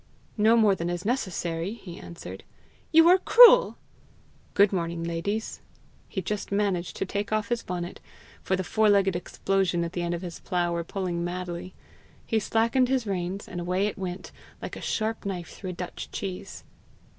"No more than is necessary," he answered. "You are cruel!" "Good morning, ladies." He just managed to take off his bonnet, for the four legged explosions at the end of his plough were pulling madly. He slackened his reins, and away it went, like a sharp knife through a Dutch cheese.